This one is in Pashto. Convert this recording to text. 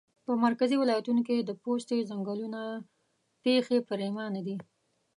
په مرکزي ولایتونو کې د پوستې ځنګلونه پیخي پرېمانه دي